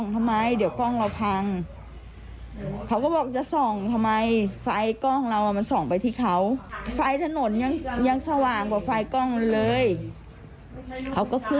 แล้วก็ทุบหน้าเรากัดเรา